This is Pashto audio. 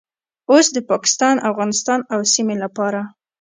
اوس د پاکستان، افغانستان او سیمې لپاره